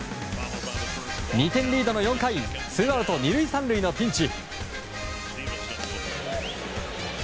２点リードの４回ツーアウト２塁３塁のピンチ。